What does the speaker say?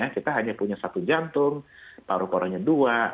kita hanya punya satu jantung paru parunya dua